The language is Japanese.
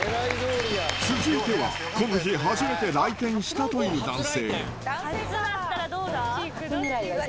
続いては、この日、初めて来店したという男性。